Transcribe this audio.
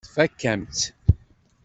Tfakk-am-tt.